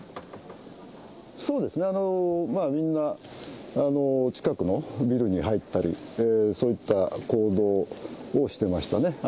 そうですね、みんな近くのビルに入ったり、そういった行動をしてましたね。